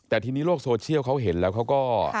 แต่ทีนี้โลกโซเชียลเขาเห็นแล้วเขาก็